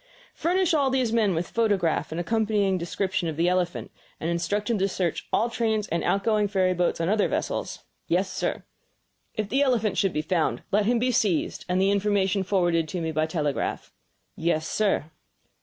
"Furnish all these men with photograph and accompanying description of the elephant, and instruct them to search all trains and outgoing ferryboats and other vessels." "Yes, sir." "If the elephant should be found, let him be seized, and the information forwarded to me by telegraph." "Yes, sir."